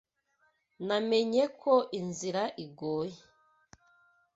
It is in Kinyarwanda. Namenye ko inzira igoye.